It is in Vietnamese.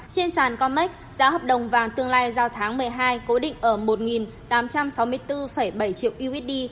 trên sàn comac giá hợp đồng vàng tương lai giao tháng một mươi hai cố định ở một tám trăm sáu mươi bốn bảy triệu usd